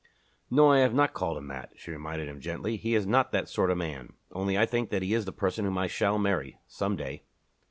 "No, I have not called him that," she reminded him gently. "He is not that sort of man. Only I think that he is the person whom I shall marry some day."